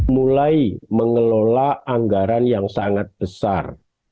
mulai mengelola anggaran yang sangat besar